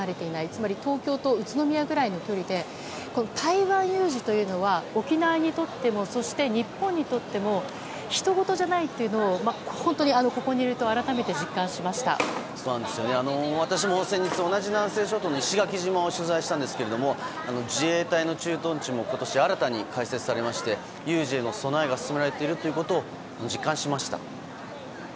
つまり東京と宇都宮くらいの距離で台湾有事というのは沖縄にとってもそして日本にとっても他人事じゃないというのをここにいて私も先日、同じ南西諸島の石垣島を取材したんですが自衛隊の駐屯地も今年新たに開設されまして有事への備えが進められていることを実感しました。